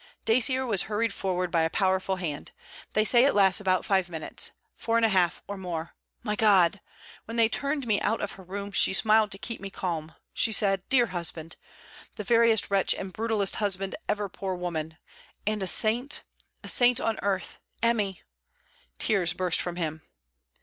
Dacier was hurried forward by a powerful hand. 'They say it lasts about five minutes, four and a half or more! My God! When they turned me out of her room, she smiled to keep me calm. She said: "Dear husband": the veriest wretch and brutallest husband ever poor woman... and a saint! a saint on earth! Emmy!' Tears burst from him.